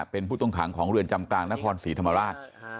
เป็นผู้ต้องขังของเรือนจำกลางนครศรีธรรมราช